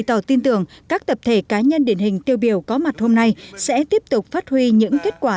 tôi tin tưởng các tập thể cá nhân điển hình tiêu biểu có mặt hôm nay sẽ tiếp tục phát huy những kết quả